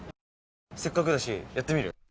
せっかくだし、やってみる？